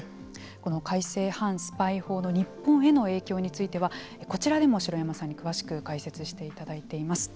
この改正反スパイ法の日本への影響についてはこちらでも城山さんに詳しく解説していただいています。